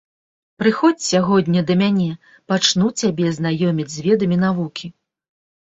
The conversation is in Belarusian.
Прыходзь сягоння да мяне, пачну цябе знаёміць з ведамі навукі.